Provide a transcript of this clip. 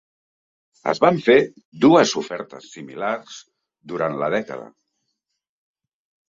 Es van fer dues ofertes similars durant la dècada.